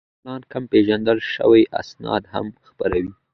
دا ژورنال کم پیژندل شوي اسناد هم خپروي.